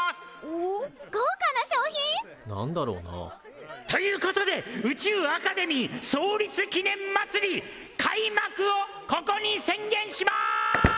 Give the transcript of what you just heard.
何だろうな？ということで宇宙アカデミー創立記念まつり開幕をここに宣言します！